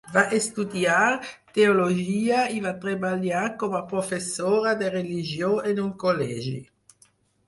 Va estudiar teologia i va treballar com a professora de religió en un col·legi.